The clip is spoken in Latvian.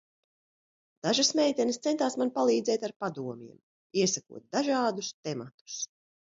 Dažas meitenes centās man palīdzēt ar padomiem, iesakot dažādus tematus.